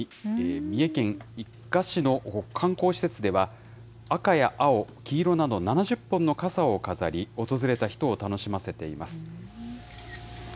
三重県伊賀市の観光施設では、赤や青、黄色など７０本の傘を飾り、訪れた人を楽しませています。